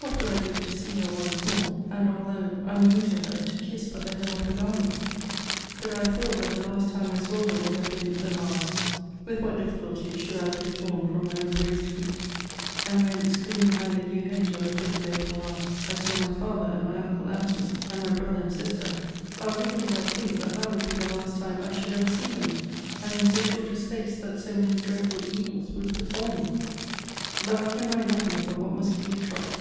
What would I give to see her once more, and, although unknown to her, to kiss but the hem of her garment! Could I have thought that the last time I saw her would have been the last, with what difficulty should I have been torn from her embraced feet! And when, screened behind the yew hedge on the 5th of April last,* I saw my father, and my uncle Antony, and my brother and sister, how little did I think that that would be the last time I should ever see them; and, in so short a space, that so many dreadful evils would befal me! * See Vol. II. Letter XXXVI. But I can write nothing but what must give you trouble.